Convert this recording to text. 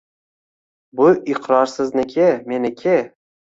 Bu iqror sizniki, meniki.